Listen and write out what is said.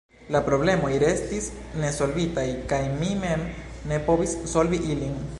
La problemoj restis nesolvitaj, kaj mi mem ne povis solvi ilin.